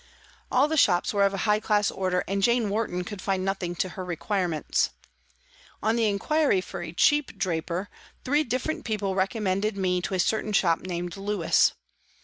All the shops were of a high class order, and Jane Warton could find nothing to her requirements. On inquiry for a " cheap " draper, three different people recommended me to a certain shop named " Lewis."